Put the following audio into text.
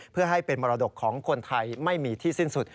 เพื่อให้เป็นมรดกของคนไทยไม่มีที่สิ้นสุด